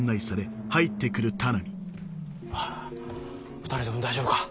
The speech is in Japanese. ２人とも大丈夫か？